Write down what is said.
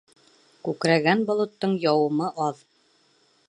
Күкрәгән болоттоң яуымы аҙ.